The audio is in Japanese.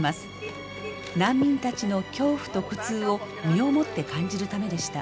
難民たちの恐怖と苦痛を身をもって感じるためでした。